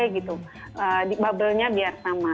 bubble nya biar sama